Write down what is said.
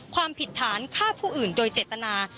ความผิดฐานฆ่าผู้อื่นโดยเจตนา